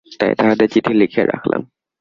তাই তাহাদের চিঠি লিখিয়া দিলাম।